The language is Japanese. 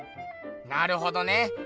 なるほどね。